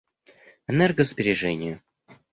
Энергосбережение